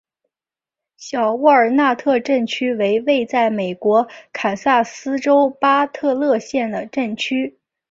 小沃尔纳特镇区为位在美国堪萨斯州巴特勒县的镇区。